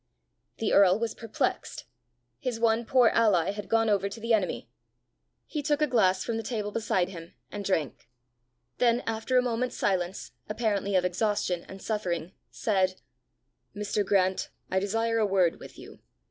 The earl was perplexed: his one poor ally had gone over to the enemy! He took a glass from the table beside him, and drank: then, after a moment's silence, apparently of exhaustion and suffering, said, "Mr. Grant, I desire a word with you.